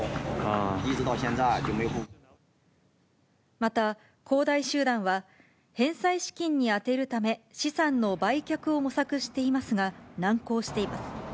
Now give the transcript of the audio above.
また恒大集団は、返済資金に充てるため、資産の売却を模索していますが、難航しています。